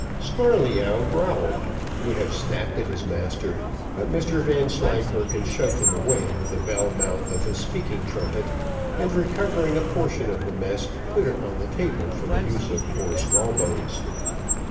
Snarleyyow growled, would have snapped at his master, but Mr Vanslyperken shoved him away with the bell mouth of his speaking trumpet, and recovering a portion of the mess, put it on the table for the use of poor Smallbones.